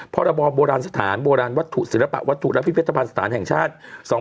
พรบสถานบวัตถุศิลปะวัตถุรัฐพิเภตภัณฑ์สถานแห่งชาติ